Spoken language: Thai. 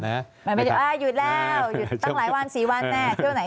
อยู่แล้วหยุดตั้งหลายวันสี่วันแน่